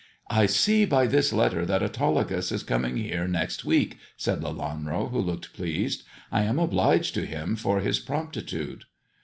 "I see by this letter that Autolycus is coming here next week," said Lelanro, who looked pleased. " I am obliged to him for his promptitude."